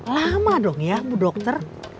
lama dong ya bu dokter